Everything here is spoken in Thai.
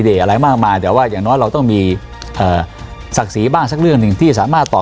อะไรมากมายแต่ว่าอย่างน้อยเราต้องมีเอ่อศักดิ์ศรีบ้างสักเรื่องหนึ่งที่สามารถตอบ